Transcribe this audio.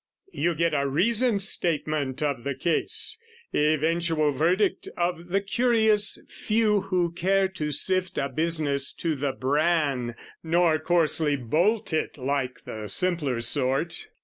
You get a reasoned statement of the case, Eventual verdict of the curious few Who care to sift a business to the bran Nor coarsely bolt it like the simpler sort.